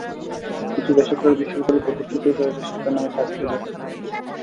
কিছু বেসরকারি বিশ্ববিদ্যালয় প্রতিষ্ঠিতই হয়েছে শিক্ষার নামে সার্টিফিকেট ব্যবসা করার জন্য।